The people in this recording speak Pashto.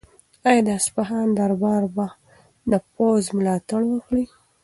آیا د اصفهان دربار به د پوځ ملاتړ وکړي؟